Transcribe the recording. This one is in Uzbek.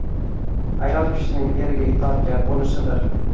Ayol kishining eriga itoatkor bo‘lishidir.